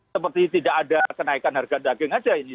seperti tidak ada kenaikan harga daging saja ini